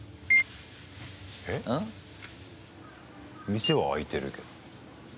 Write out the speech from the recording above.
店は開いてるけど。